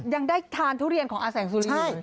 ยังได้ทานทุเรียนของอาแสงสุรี